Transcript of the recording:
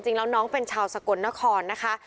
จริงแล้วน้องเป็นชาวสกลนครนะคะ